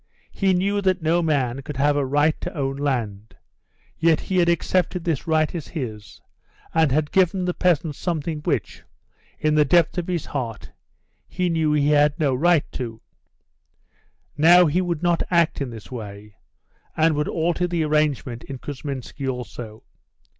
He knew that no man could have a right to own land, yet he had accepted this right as his, and had given the peasants something which, in the depth of his heart, he knew he had no right to. Now he would not act in this way, and would alter the arrangement in Kousminski also.